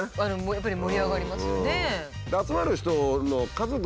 やっぱり盛り上がりますよね。